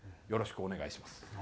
よろしくお願いします。